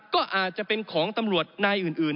ก็อาจจะเป็นของตำรวจนายอื่น